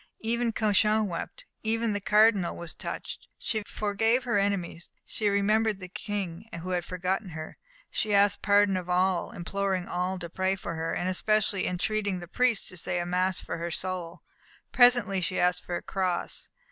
Even Cauchon wept. Even the Cardinal was touched. She forgave her enemies; she remembered the King, who had forgotten her; she asked pardon of all, imploring all to pray for her, and especially entreating the priests to say a mass for her soul. Presently she asked for a cross.